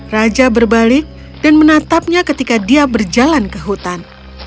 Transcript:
raja berbalik dan menatapnya ketika dia berjalan ke hutan